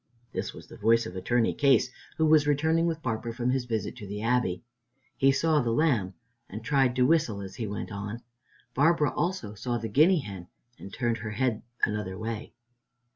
This was the voice of Attorney Case, who was returning with Barbara from his visit to the Abbey. He saw the lamb and tried to whistle as he went on. Barbara also saw the guinea hen and turned her head another way.